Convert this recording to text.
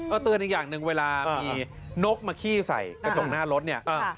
เตือนอีกอย่างหนึ่งเวลามีนกมาขี้ใส่กระจกหน้ารถเนี่ย